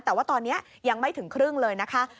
แต่ว่าตอนนี้ยังไม่ถึงครึ่งเลยนะคะ